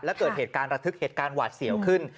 และเกิดเหตุการณ์ระทึกเหตุการณ์หวาดเสียวขึ้น